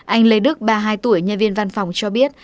anh lê đức ba mươi hai tuổi nhân viên văn phòng cho biết